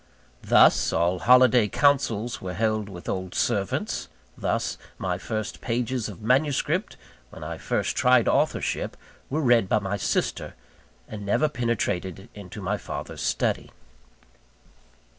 Thus, all holiday councils were held with old servants; thus, my first pages of manuscript, when I first tried authorship, were read by my sister, and never penetrated into my father's study.